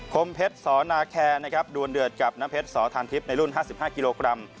มเพชรสอนาแคร์นะครับดวนเดือดกับน้ำเพชรสอทานทิพย์ในรุ่น๕๕กิโลกรัม